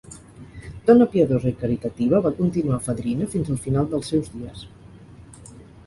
Dona piadosa i caritativa, va continuar fadrina fins al final dels seus dies.